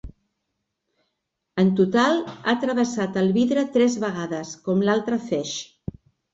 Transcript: En total ha travessat el vidre tres vegades, com l'altre feix.